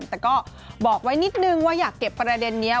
แต่ก็บอกไว้นิดนึงว่าอยากเก็บประเด็นนี้